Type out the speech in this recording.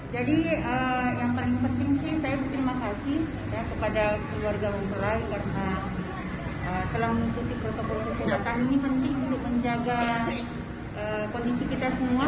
jadi yang paling penting saya berterima kasih kepada keluarga mempelai karena telah mengikuti protokol keselatan ini penting untuk menjaga kondisi kita semua